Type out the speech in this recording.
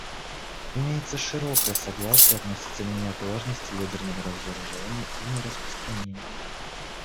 Имеется широкое согласие относительно неотложности ядерного разоружения и нераспространения.